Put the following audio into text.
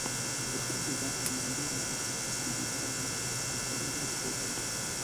Rekodi za miamala ya kidigitali na kutoza kodi